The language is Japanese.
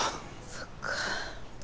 そっか。